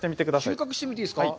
収穫してみていいですか？